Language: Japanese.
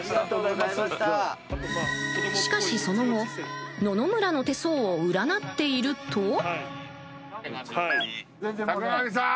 しかし、その後野々村の手相を占っていると。